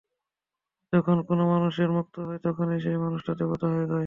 যখন কোনও মানুষের মুক্ত হয়, তখনই সেই মানুষটা দেবতা হয়ে যায়।